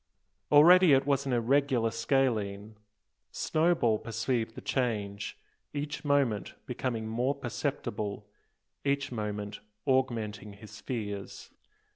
Already was it an irregular scalene. Snowball perceived the change, each moment becoming more perceptible, each moment augmenting his fears.